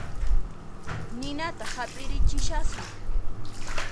Ninata hap'irichishasun